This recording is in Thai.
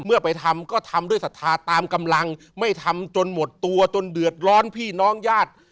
ไปทำก็ทำด้วยศรัทธาตามกำลังไม่ทำจนหมดตัวจนเดือดร้อนพี่น้องญาติ